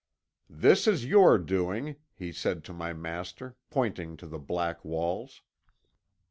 "'This is your doing,' he said to my master, pointing to the black walls.